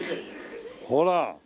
ほら！